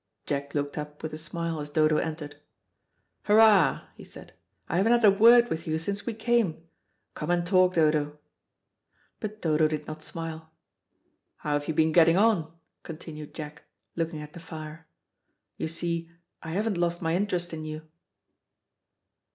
Jack looked up with a smile as Dodo entered. "Hurrah," he said, "I haven't had a word with you since we came. Come and talk, Dodo." But Dodo did not smile. "How have you been getting on?" continued Jack, looking at the fire. "You see I haven't lost my interest in you."